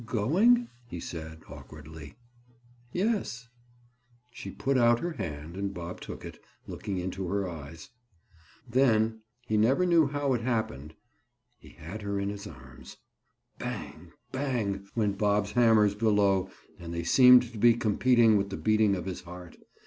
"Going?" he said awkwardly. "Yes." She put out her hand and Bob took it, looking into her eyes. Then—he never knew how it happened—he had her in his arms. Bang! bang! went Bob's hammers below and they seemed to be competing with the beating of his heart.